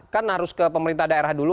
kan harus ke pemerintah daerah dulu